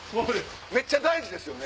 めっちゃ大事ですよね？